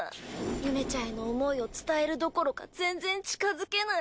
ゆめちゃんへの思いを伝えるどころか全然近づけない。